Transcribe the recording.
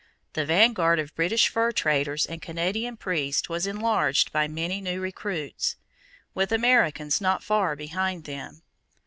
The vanguard of British fur traders and Canadian priests was enlarged by many new recruits, with Americans not far behind them.